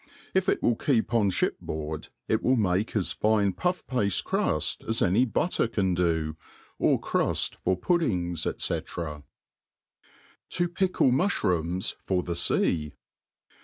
If ic will keep on Ihip board, tt will make as fine puff pafte cruft as any butter can do, or cruft for nuddings, &c« To pickk Mujhropms fir the Sea.